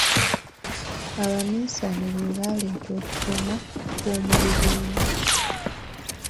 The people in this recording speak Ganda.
Abamisane be baaleeta okusoma kw'omu bibiina.